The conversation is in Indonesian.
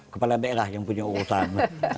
kepala daerah yang punya utang